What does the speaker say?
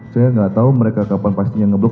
saya gak tau mereka kapan pastinya ngeblok